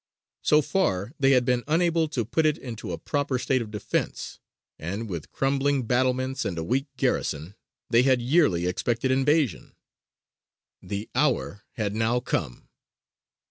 So far they had been unable to put it into a proper state of defence, and with crumbling battlements and a weak garrison, they had yearly expected invasion. The hour had now come.